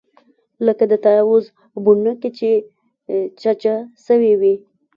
لکه د طاووس بڼکې چې چجه سوې وي.